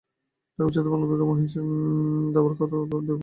ঢাকা বিশ্ববিদ্যালয় বাংলা বিভাগে মহসীন আলী দেওয়ান আমার বছর দুই ওপরে পড়তেন।